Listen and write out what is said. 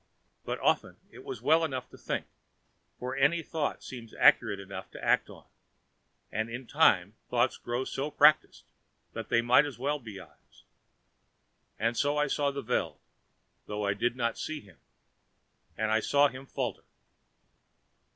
But often it is well enough to think, for any thought seems accurate enough to act on, and in time thoughts grow so practiced that they might well be eyes. And so I saw the Veld, though I did not see him, and I saw him falter.